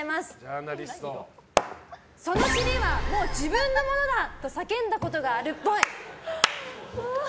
その尻はもう自分のものだ！と叫んだことがあるっぽい。